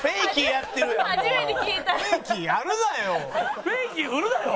やるなよ！